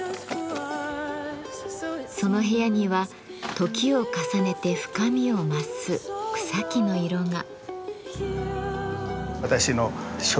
その部屋には時を重ねて深みを増す草木の色が。